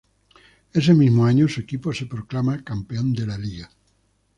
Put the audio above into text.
Ese mismo año su equipo se proclama campeón de Liga.